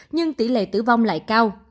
nhưng tỷ lệ tử vong lại cao